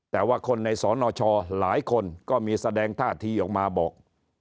แต่ว่าคนในสนชหลายคนก็มีแสดงท่าทีออกมาบอก